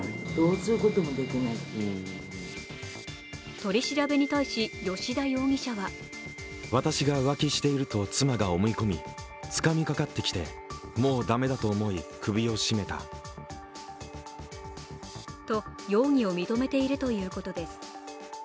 取り調べに対し、吉田容疑者はと、容疑を認めているということです。